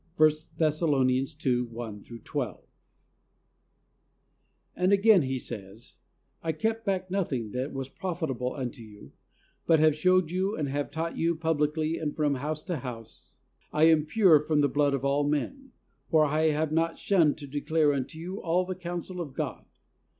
(i Thess. 2: 1 12.) K 130 THE soul winner's SECRET. And again he says : "I kept back noth ing that was profitable unto you, but have showed you and have taught you pub licly, and from house to house, ... I am pure trom the blood of all men. For I have not shunned to declare unto you all the counsel of God